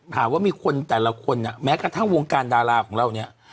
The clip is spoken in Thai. หาว่ามีคนแต่ละคนแม้กระทั่งวงการดาราของเราเนี่ย